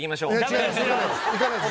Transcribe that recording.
いかないです。